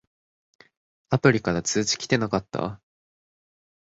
アプリから通知きてなかった？